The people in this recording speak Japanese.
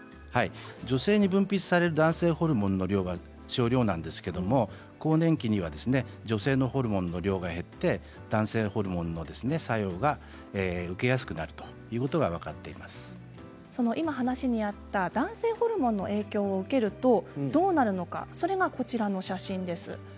女性に分泌される男性ホルモンの量は少量なんですけれども更年期には女性ホルモンの量が減って男性ホルモンの作用を受けやすくなるということが今、話にあった男性ホルモンの影響を受けるとどうなるのか、こちらの写真です。